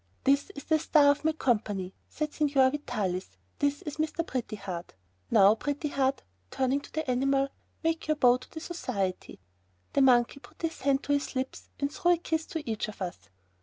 "This is the star of my company," said Signor Vitalis. "This is Mr. Pretty Heart. Now, Pretty Heart," turning to the animal "make your bow to the society." The monkey put his hand to his lips and threw a kiss to each of us.